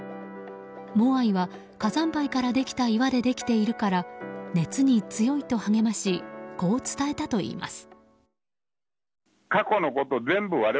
モアイは火山灰からできた岩でできているから熱に強いと励ましこう伝えたといいます。